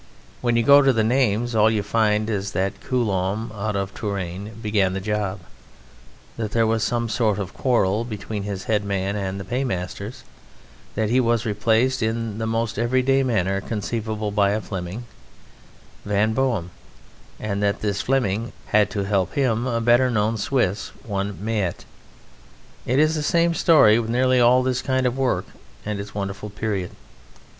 When you go to the names all you find is that Coulombe out of Touraine began the job, that there was some sort of quarrel between his head man and the paymasters, that he was replaced in the most everyday manner conceivable by a Fleming, Van Boghem, and that this Fleming had to help him a better known Swiss, one Meyt. It is the same story with nearly all this kind of work and its wonderful period.